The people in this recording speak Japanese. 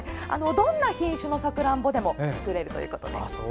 どんな品種のさくらんぼでも作れるということです。